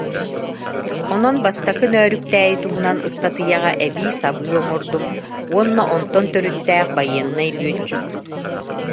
Онон Бастакы Нөөрүктээйи туһунан ыстатыйаҕа эбии-сабыы оҥордум уонна онтон төрүттээх байыаннай лүөччүк